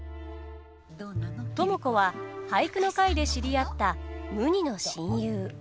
知子は俳句の会で知り合った無二の親友。